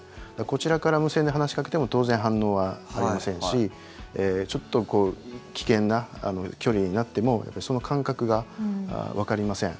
こちらから無線で話しかけても当然、反応はありませんしちょっと危険な距離になってもその間隔がわかりません。